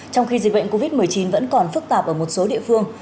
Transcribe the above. trong khi dịch bệnh covid một mươi chín vẫn còn phức tạp ở một số địa phương